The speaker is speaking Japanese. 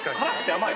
甘い。